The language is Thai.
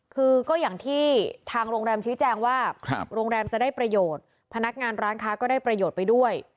คือก็อย่างที่ทางโรงแรมชี้แจงว่าโรงแรมจะได้ประโยชน์พนักงานร้านค้าก็ได้ประโยชน์ไปด้วย